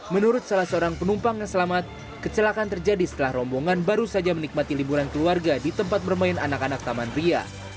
menurut salah seorang penumpang yang selamat kecelakaan terjadi setelah rombongan baru saja menikmati liburan keluarga di tempat bermain anak anak taman ria